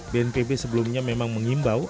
bnpb sebelumnya memang mengimbau